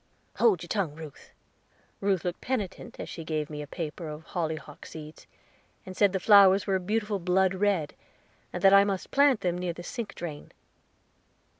"Hold your tongue, Ruth." Ruth looked penitent as she gave me a paper of hollyhock seeds, and said the flowers were a beautiful blood red, and that I must plant them near the sink drain.